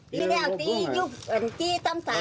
ตีแล้วตียกทั้งตั้งครั้ง